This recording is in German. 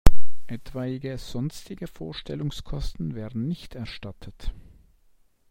Etwaige sonstige Vorstellungskosten werden nicht erstattet.